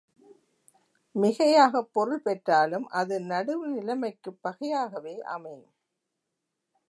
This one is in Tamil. மிகையாகப் பொருள் பெற்றாலும் அது நடுவுநிலைமைக்குப் பகையாகவே அமையும்.